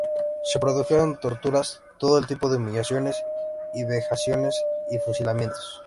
Se produjeron torturas, todo tipo de humillaciones y vejaciones, y fusilamientos.